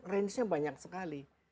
range nya banyak sekali